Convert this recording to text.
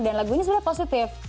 dan lagu ini sebenarnya positif